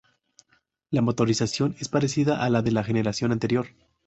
La motorización es parecida a la de la generación anterior.